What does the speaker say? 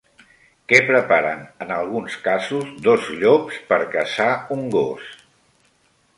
Què preparen en alguns casos dos llops per caçar un gos?